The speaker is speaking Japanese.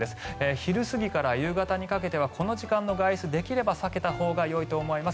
昼過ぎから夕方にかけてはこの時間の外出できれば避けたほうがよいと思います。